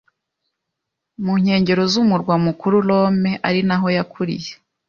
mu nkengero z'umurwa mukuru Lomé, ari naho yakuriye.